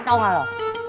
tau gak lu